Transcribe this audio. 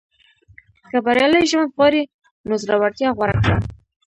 • که بریالی ژوند غواړې، نو زړورتیا غوره کړه.